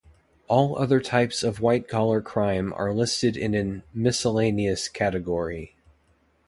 All other types of white-collar crime are listed in an, "miscellaneous" category.